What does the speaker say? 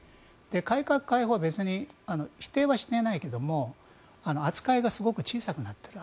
改革開放は別に否定はしていないけども扱いがすごく小さくなっている。